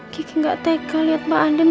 kiki gak tega liat mba andin